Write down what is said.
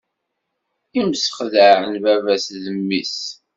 Imsexdeɛ baba-s d mmi-s.